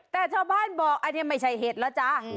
แต่ชาวบ้านบอกอันนี้ไม่ใช่เห็ดแล้วจ้า